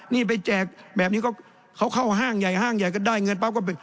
นี่ไปแจกแบบนี้ก็เขาเข้าห้างใหญ่ห้างใหญ่ก็ได้เงินปั๊บก็